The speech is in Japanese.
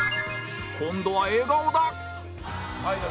今度は笑顔だ